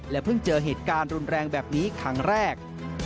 เพิ่งเจอเหตุการณ์รุนแรงแบบนี้ครั้งแรก